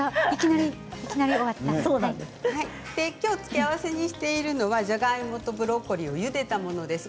きょう付け合わせにしているのが、じゃがいもとブロッコリーをゆでたものです。